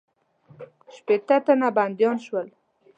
شپېته تنه بندیان شول.